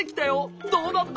どうだった？